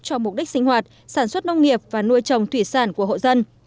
cho mục đích sinh hoạt sản xuất nông nghiệp và nuôi trồng thủy sản của hộ dân